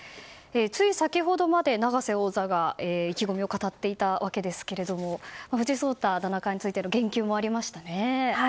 つい先ほどまで、永瀬王座が意気込みを語っていたわけですが藤井聡太七冠についての言及もありましたね。